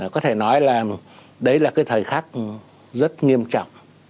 có thể nói là đấy là cái thời khắc rất nghiêm trọng